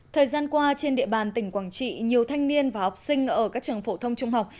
thời gian qua trên địa bàn tỉnh quảng trị nhiều thanh niên và học sinh ở các trường phổ thông trung học